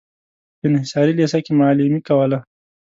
په انصاري لېسه کې معلمي کوله.